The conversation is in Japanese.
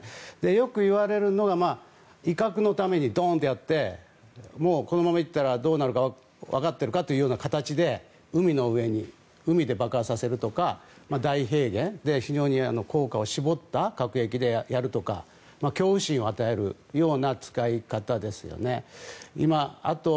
よくいわれるのが威嚇のためにドンとやってこのままいったらどうなるか分かっているか？という形で海の上で爆発させるとか太平洋、非常に効果を絞った核兵器でやるとか恐怖心を与えるような使い方ですよね。